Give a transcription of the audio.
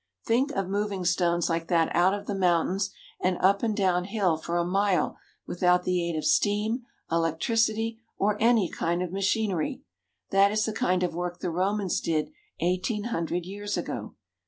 Think of moving stones like that out of the mountains and up and down hill for a mile without the aid of steam, electricity, or any kind of machinery! That is the kind of work the Romans did eighteen hundred years ago.